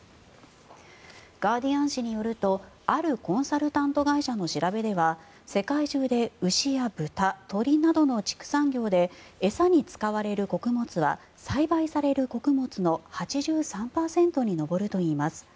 ガーディアン紙によるとあるコンサルタント会社の調べでは世界中で牛や豚、鶏などの畜産業で餌に使われる穀物は栽培される穀物の８３％に上るといいます。